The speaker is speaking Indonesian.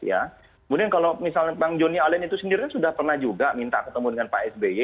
kemudian kalau misalnya bang joni allen itu sendiri kan sudah pernah juga minta ketemu dengan pak sby